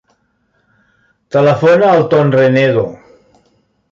Telefona al Ton Renedo.